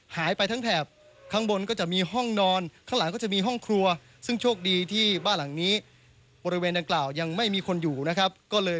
หล่นลงมาทับ